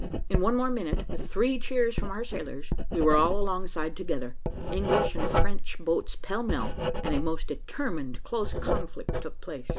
In one minute more, with three cheers from our sailors, we were all alongside together, English and French boats pellmell, and a most determined close conflict took place.